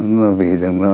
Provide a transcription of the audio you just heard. nó là vì